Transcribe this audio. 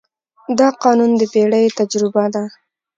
دا قانون د پېړیو تجربه ده.